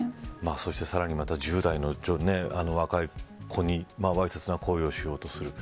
さらに１０代の若い子にわいせつな行為をしようとする。